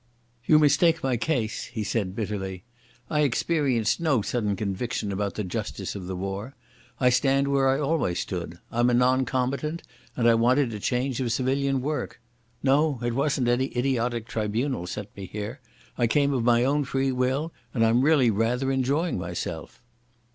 "You mistake my case," he said bitterly. "I experienced no sudden conviction about the justice of the war. I stand where I always stood. I'm a non combatant, and I wanted a change of civilian work.... No, it wasn't any idiotic tribunal sent me here. I came of my own free will, and I'm really rather enjoying myself."